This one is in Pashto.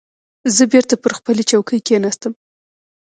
زه بېرته پر خپلې چوکۍ کېناستم.